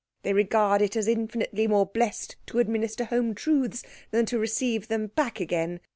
They regard it as infinitely more blessed to administer home truths than to receive them back again.